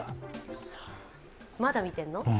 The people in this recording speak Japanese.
まだ見てんの？